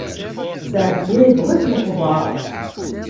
Seɛdiya yewweḍ-itt lexbaṛ.